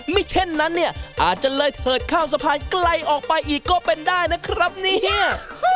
ไม่เช่นนั้นเนี่ยอาจจะเลยเถิดข้ามสะพานไกลออกไปอีกก็เป็นได้นะครับเนี่ย